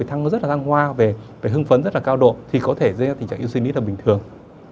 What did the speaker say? hưng phấn rất là cao độ thì có thể dây ra tình trạng yêu sinh lý là bình thường